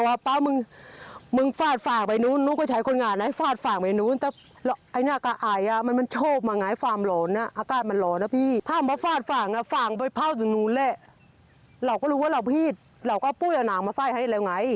เราก็รู้ว่าเราผิดเราก็เอาปุ้ยเอานางมาใส่ให้แล้วไง